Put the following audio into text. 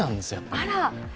あら！